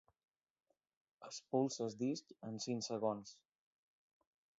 Expulsa el disc en cinc segons.